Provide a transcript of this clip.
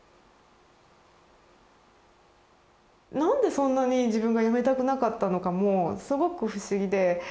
なんでそんなに自分がやめたくなかったのかもすごく不思議で。